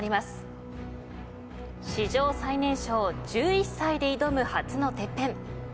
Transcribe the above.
史上最年少１１歳で挑む初のＴＥＰＰＥＮ。